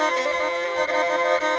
beliau dulu yang bilang